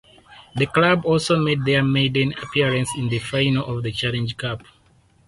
The club also made their maiden appearance in the final of the Challenge Cup.